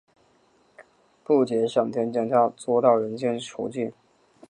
布杰上天将它捉到人间囚禁。